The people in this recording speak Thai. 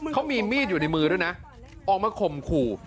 เขามีมีดอยู่ในมือด้วยนะออกมาข่มขู่